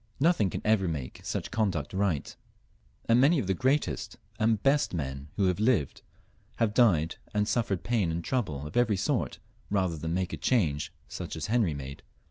Nothing XL.] HENRY IV. 299 can ever make such conduct right, and many of the greatest and best men who have lived have died and suffered pain and trouble of every sort sooner than make a change such as Henry made.